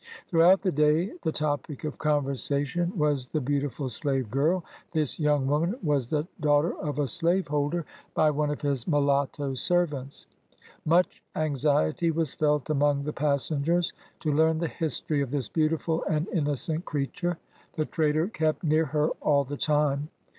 Throughout the day, the topic of conver sation was the beautiful slave girl." This young woman was the daughter of a slaveholder, by one of his 22 BIOGRAPHY OF mulatto servants. Much anxiety was felt among the passengers to learn the history of this beautiful and innocent creature. The trader kept near her all the time.